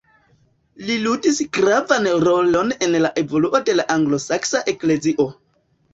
Li ludis gravan rolon en la evoluo de la anglosaksa eklezio.